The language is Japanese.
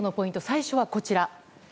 最初はこちら。